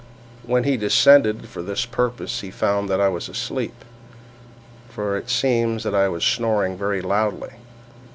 When he descended for this purpose he found that I was asleep, for it seems that I was snoring very loudly.